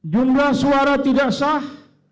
jumlah suara tidak sah